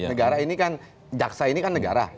negara ini kan jaksa ini kan negara